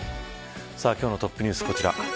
今日のトップニュース、こちら。